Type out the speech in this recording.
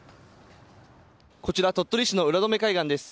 こちら鳥取市の浦富海岸です。